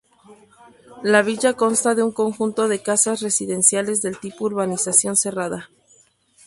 La villa consta de un conjunto de casas residenciales del tipo urbanización cerrada.